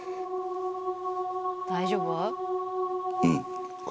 大丈夫？